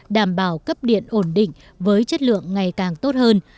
đảm bảo cấp điện ổn định với chất lượng ngày càng tốt hơn